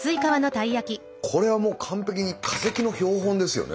これは完璧に化石の標本ですよね